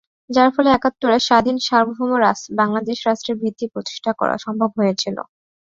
যার ফলে একাত্তরে স্বাধীন সার্বভৌম বাংলাদেশ রাষ্ট্রের ভিত্তি প্রতিষ্ঠা করা সম্ভব হয়েছিল।